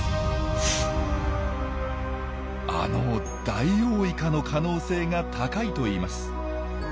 あのダイオウイカの可能性が高いといいます。